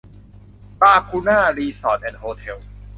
ลากูน่า รีสอร์ท แอนด์ โฮเท็ล